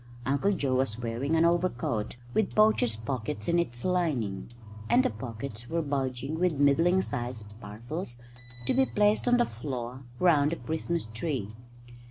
Uncle Joe was wearing an overcoat, with poacher's pockets in its lining; and the pockets were bulging with middling sized parcels to be placed on the floor round the Christmas tree.